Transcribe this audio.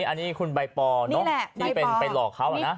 อันนี้คุณใบปอเนอะที่เป็นไปหลอกเขานะ